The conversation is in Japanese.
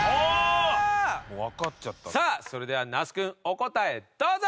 さあそれでは那須君お答えどうぞ！